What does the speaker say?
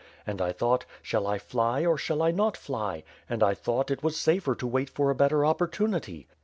And I thought, 'shall I fly or shall I not fly;' and I thought it was safer to wait for a better opportunity.